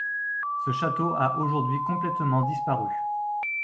Ce château a aujourd'hui complètement disparu.